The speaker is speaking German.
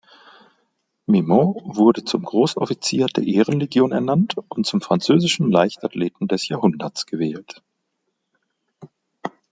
Mimoun wurde zum Großoffizier der Ehrenlegion ernannt und zum „französischen Leichtathleten des Jahrhunderts“ gewählt.